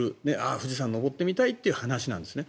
富士山登ってみたいという話なんですね。